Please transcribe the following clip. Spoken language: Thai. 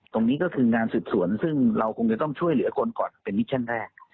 ตรงนี้ก็คืองานสืบสวนซึ่งเราคงจะต้องช่วยเหลือคนก่อนเป็นมิชชั่นแรก